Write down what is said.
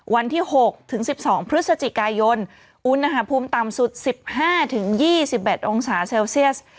วันที่๖ถึง๑๒พฤศจิกายนอุณหภูมิต่ำสุด๑๕๒๑องศาเซลเซียส